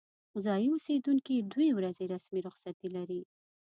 ځايي اوسیدونکي دوې ورځې رسمي رخصتي لري.